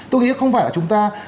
tôi nghĩ không phải là chúng ta